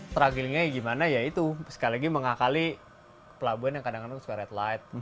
trugglingnya gimana ya itu sekali lagi mengakali pelabuhan yang kadang kadang suka red light